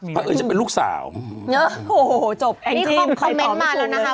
มีไหมครับโอ้โฮจบแองทิมไปต่อไม่ถูกเลยนี่คอมเมนต์มาแล้วนะคะ